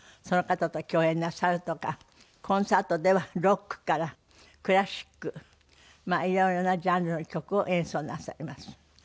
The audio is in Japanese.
その方と共演なさるとかコンサートではロックからクラシック色々なジャンルの曲を演奏なさいます。